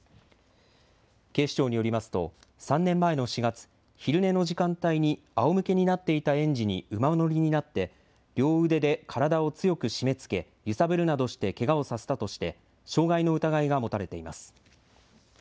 警視庁によりますと３年前の４月、昼寝の時間帯にあおむけになっていた園児に馬乗りになって両腕で体を強く締めつけ揺さぶるなどしてけがをさせたとして傷害の疑いが持たれています。